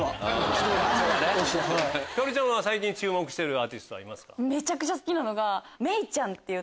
ひかるちゃんは最近注目してるアーティストはいますか？